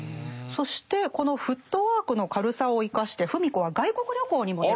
そしてこのフットワークの軽さを生かして芙美子は外国旅行にも出かけるんですね。